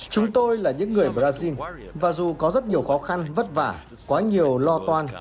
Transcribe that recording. chúng tôi là những người brazil và dù có rất nhiều khó khăn vất vả quá nhiều lo toan